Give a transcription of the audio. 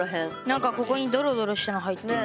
何かここにドロドロしたの入ってる。